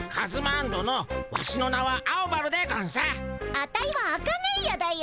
アタイはアカネイアだよ。